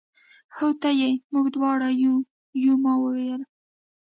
هو ته یې، موږ دواړه یو، یو. ما وویل.